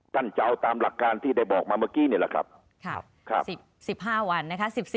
กั้นจะเอาตามหลักการที่ได้บอกมาเมื่อกี้เนี่ยแหละครับ